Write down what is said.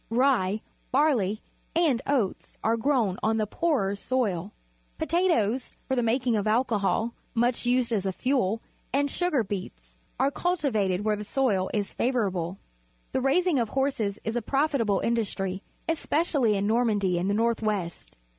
Rye, barley, and oaj^ are grown on the poorer soiL PotnfofiS for the making of alcohol, much used as a fuel, and sugar beet s are cultivated where the soil is favourable. The raising of horses is a profitable industry, especially in Normandy in the north west.